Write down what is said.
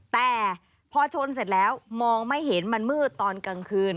แต่พอชนเสร็จแล้วมองไม่เห็นมันมืดตอนกลางคืน